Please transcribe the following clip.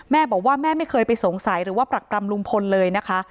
แม่บอกว่าแม่ไม่เคยไปสงสัยหรือว่าปรักปรำลุงพลเลยนะคะ